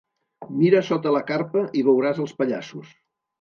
Mira sota la carpa i veuràs els pallassos.